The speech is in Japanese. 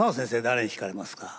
誰に惹かれますか？